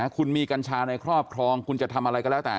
คุณมีกัญชาในครอบครองคุณจะทำอะไรก็แล้วแต่